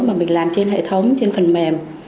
mà mình làm trên hệ thống trên phần mềm